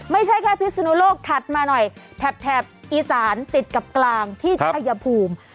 ไม่ใช่แค่พิศนุโลกถัดมาหน่อยแถบอีสานติดกับกลางที่ชายภูมิ